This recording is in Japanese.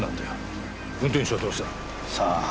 運転手はどうした？さあ。